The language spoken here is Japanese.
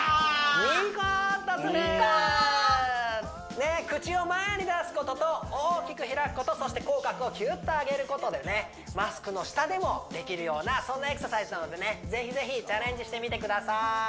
ねっ口を前に出すことと大きく開くことそして口角をきゅっと上げることでねマスクの下でもできるようなそんなエクササイズなのでね是非是非チャレンジしてみてください！